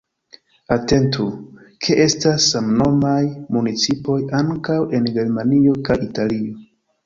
Atentu, ke estas samnomaj municipoj ankaŭ en Germanio kaj Italio.